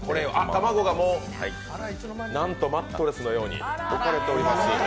玉子がもう、なんとマットレスのように置かれています。